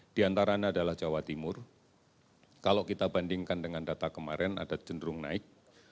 di antaranya adalah jawa timur kalau kita bandingkan dengan data kemarin ada cenderung naik